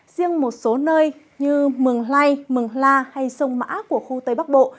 riêng một số nơi như mường lây mường la hay sông mã của khu tây bắc bộ